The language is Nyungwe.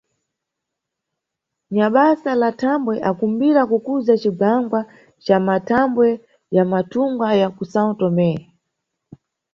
Nyabasa la nthambwe akumbira kukuza cigwangwa ca mʼmathambwe ya mathunga ya ku São Tomé.